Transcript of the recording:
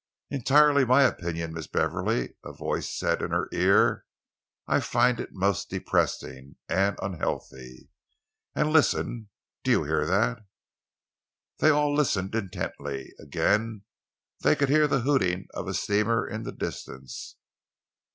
"Entirely my opinion, Miss Beverley," a voice said in her ear. "I find it most depressing and unhealthy. And listen. Do you hear that?" They all listened intently. Again they could hear the hooting of a steamer in the distance.